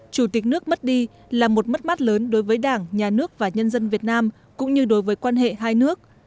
chủ tịch nước mất đi là một mất mát lớn đối với đảng nhà nước và nhân dân việt nam cũng như đối với quan hệ hai nước